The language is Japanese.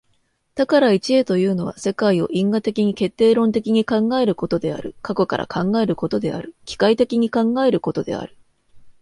多から一へというのは、世界を因果的に決定論的に考えることである、過去から考えることである、機械的に考えることである。